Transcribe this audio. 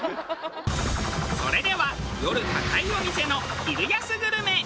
それでは夜高いお店の昼安グルメ。